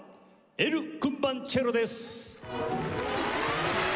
『エル・クンバンチェロ』！